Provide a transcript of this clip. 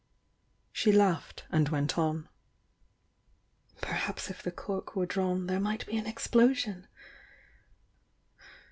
She laughed, and went on. "Perhaps if the cork were drawn there might be an explosion!